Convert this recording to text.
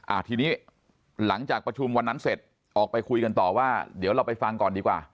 อ่าทีนี้หลังจากประชุมวันนั้นเสร็จออกไปคุยกันต่อว่าเดี๋ยวเราไปฟังก่อนดีกว่า